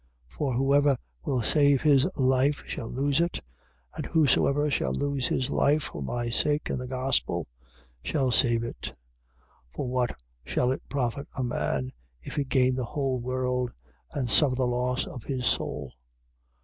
8:35. For whosoever will save his life shall lose it: and whosoever shall lose his life for my sake and the gospel shall save it. 8:36. For what shall it profit a man, if he gain the whole world and suffer the loss of his soul?